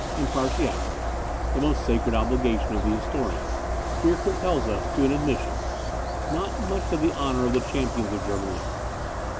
Impartiality, the most sacred obligation of the historian, here compels us to an admission, not much to the honour of the champions of German liberty.